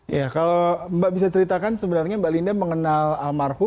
ya kalau mbak bisa ceritakan sebenarnya mbak linda mengenal almarhum